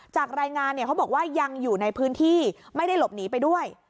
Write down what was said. จากรายงานเขาบอกว่ายังอยู่ในพื้นที่ไม่ได้หลบหนีไปด้วย